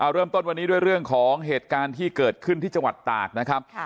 เริ่มต้นวันนี้ด้วยเรื่องของเหตุการณ์ที่เกิดขึ้นที่จังหวัดตากนะครับ